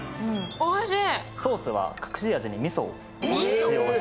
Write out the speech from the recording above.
おいしい！